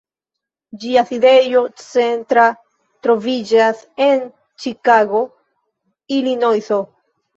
Ĝia sidejo centra troviĝas en Ĉikago, Ilinojso.